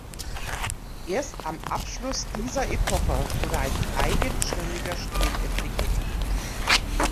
Erst am Abschluss dieser Epoche wurde ein eigenständiger Stil entwickelt.